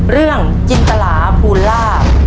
เรื่องจินตราภูลา